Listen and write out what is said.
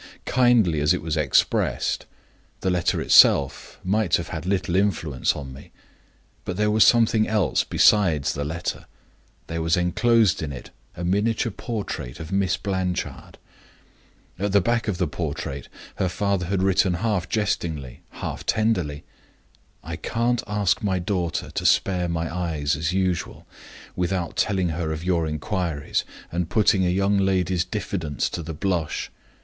"Kindly as it was expressed, the letter itself might have had little influence on me. But there was something else besides the letter; there was inclosed in it a miniature portrait of Miss Blanchard. At the back of the portrait, her father had written, half jestingly, half tenderly, 'I can't ask my daughter to spare my eyes as usual, without telling her of your inquiries, and putting a young lady's diffidence to the blush.